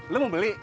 lo mau beli